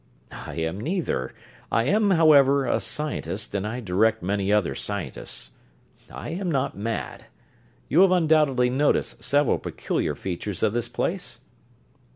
"I am neither. I am, however, a scientist, and I direct many other scientists. I am not mad. You have undoubtedly noticed several peculiar features of this place?"